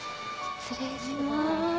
失礼します。